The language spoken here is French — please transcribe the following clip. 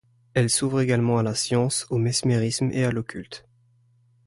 Elle s'ouvre également à la science, au mesmérisme et à l'occulte.